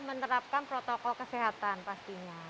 menerapkan protokol kesehatan pastinya